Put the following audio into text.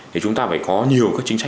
thì chúng ta phải có nhiều các chính sách